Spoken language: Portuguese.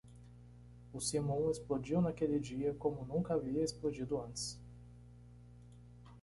O simum explodiu naquele dia como nunca havia explodido antes.